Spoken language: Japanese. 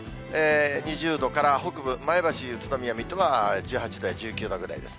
２０度から北部、前橋、宇都宮、水戸は１８度や１９度ぐらいです。